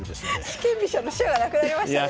四間飛車の飛車がなくなりましたね。